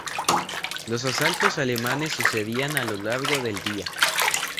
Los asaltos alemanes sucedían a lo largo del día.